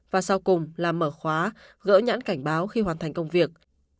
và sau cùng là mở khóa gỡ nhãn cảnh báo khi hoàn thành công việc